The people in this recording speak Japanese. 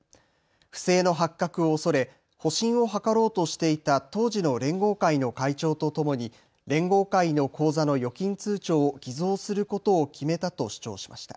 不正の発覚を恐れ保身を図ろうとしていた当時の連合会の会長とともに連合会の口座の預金通帳を偽造することを決めたと主張しました。